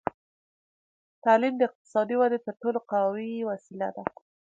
تعلیم د اقتصادي ودې تر ټولو قوي وسیله ده.